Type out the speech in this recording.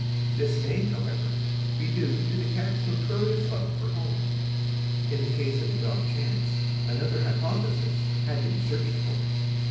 This may, however, be due to the cat's notorious love for home. In the case of the dog Chance another hypothesis has to be searched for.